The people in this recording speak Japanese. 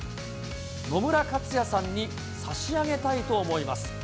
野村克也さんに差し上げたいと思います。